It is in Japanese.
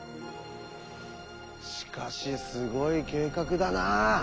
しかしすごい計画だな。